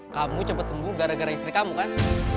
kamu cepet sembuh gara gara istri kamu kan